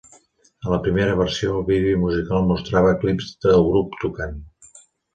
En la primera versió, el vídeo musical mostrava clips del grup tocant.